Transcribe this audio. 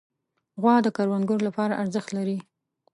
غوا د کروندګرو لپاره ارزښت لري.